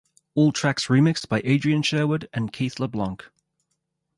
All tracks remixed by Adrian Sherwood and Keith LeBlanc.